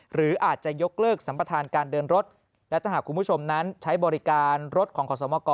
หรืออาจจะยกเลิกสัมประธานการเดินรถและถ้าหากคุณผู้ชมนั้นใช้บริการรถของขอสมก